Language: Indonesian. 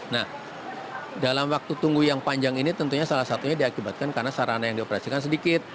nah dalam waktu tunggu yang panjang ini tentunya salah satunya diakibatkan karena sarana yang dioperasikan sedikit